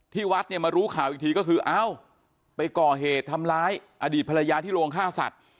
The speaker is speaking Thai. วัดเนี่ยมารู้ข่าวอีกทีก็คือเอ้าไปก่อเหตุทำร้ายอดีตภรรยาที่โรงฆ่าสัตว์